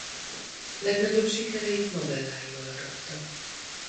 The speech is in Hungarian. Legnagyobb sikereit novelláival aratta.